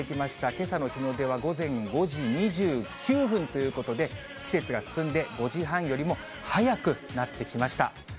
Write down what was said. けさの日の出は午前５時９分ということで、季節が進んで５時半よりも早くなってきました。